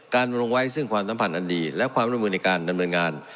ลงไว้ซึ่งความสัมพันธ์อันดีและความร่วมมือในการดำเนินงาน